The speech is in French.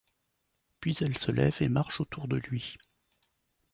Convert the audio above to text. Puis elle se lève et marche autour de lui.